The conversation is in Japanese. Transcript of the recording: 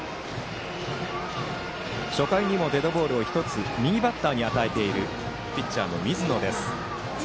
初回にもデッドボールを１つ右バッターに与えているピッチャーの水野です。